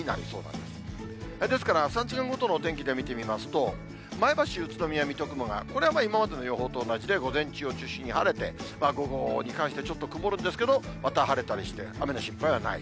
ですから、３時間ごとのお天気で見てみますと、前橋、宇都宮、水戸、熊谷、これは今までの予想と同じで、午前中を中心に晴れて、午後に関してはちょっと曇るんですけど、また晴れたりして、雨の心配はない。